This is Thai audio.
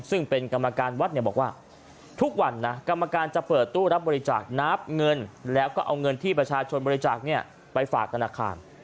ซึ่งเป็นกรรมการวัดบอกว่าทุกวันนะกรรมการจะเปิดตู้รับบริจาคนับเงินแล้วก็เอาเงินที่ประชาชนบริจาคไปฝากธนาคาร